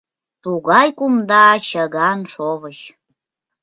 Тугай кумда — чыган шовыч.